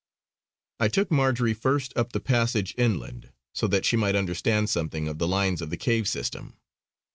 I took Marjory first up the passage inland, so that she might understand something of the lines of the cave system.